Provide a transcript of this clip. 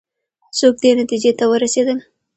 څوک دې نتیجې ته ورسېدل؟